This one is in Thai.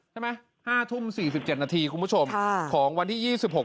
ใช่ไหมห้าทุ่มสี่สิบเจ็ดนาทีคุณผู้ชมค่ะของวันที่ยี่สิบหก